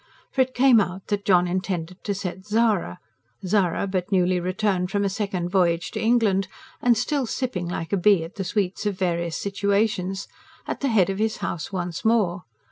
For it came out that John intended to set Zara Zara, but newly returned from a second voyage to England and still sipping like a bee at the sweets of various situations at the head of his house once more.